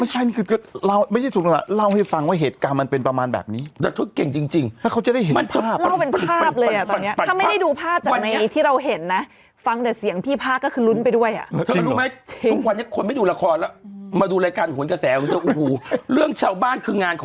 หมายถึงว่าแบบว่าได้อัตรศในการทางเขาเหมือนกัน